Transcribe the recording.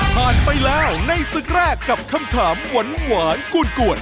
พาดไปแล้วในศึกแรกกับคำถามหวานหวานกวนกวน